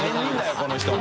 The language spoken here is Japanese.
この人も。